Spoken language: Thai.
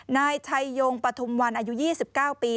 นายชัยยงปฐุมวันอายุ๒๙ปี